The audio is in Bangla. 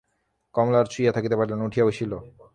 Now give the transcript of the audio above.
কমলা আর শুইয়া থাকিতে পারিল না, উঠিয়া বসিল।